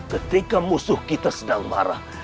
ketika musuh kita sedang marah